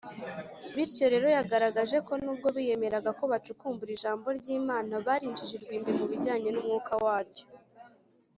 ” bityo rero, yagaragaje ko nubwo biyemeraga ko bacukumbura ijambo ry’imana, bari injiji rwimbi mu bijyanye n’umwuka waryo